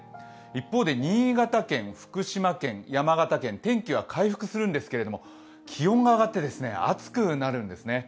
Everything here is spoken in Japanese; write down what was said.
一方で新潟県、福島県、山形県、天気は回復するんですが気温が上がって暑くなるんですね。